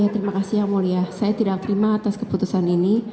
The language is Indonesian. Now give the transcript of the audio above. terima kasih yang mulia saya tidak terima atas keputusan ini